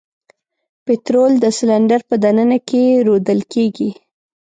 پطرول د سلنډر په د ننه کې رودل کیږي.